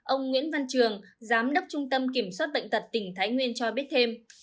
ông nguyễn văn trường giám đốc trung tâm kiểm soát bệnh tật tỉnh thái nguyên cho biết thêm